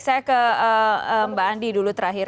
saya ke mbak andi dulu terakhir